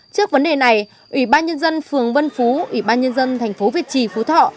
trước vấn đề này ủy ban nhân dân phường vân phú ủy ban nhân dân thành phố việt trì phú thọ